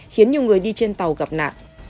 khiến nhiều người đi trên tàu gặp nạn